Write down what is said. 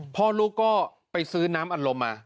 พ่อลูกก็ไปซื้อน้ำอารมณ์มา